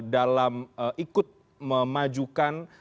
dalam ikut memajukan